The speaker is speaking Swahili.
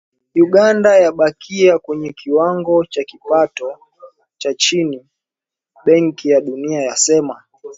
"Uganda yabakia kwenye kiwango cha kipato cha chini", Benki ya Dunia yasema.